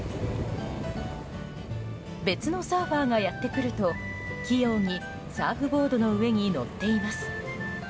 別のサーファーがやってくると器用にサーフボードの上に乗っています。